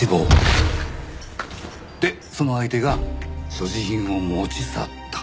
でその相手が所持品を持ち去った。